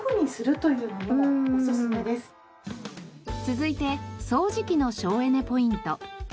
続いて掃除機の省エネポイント。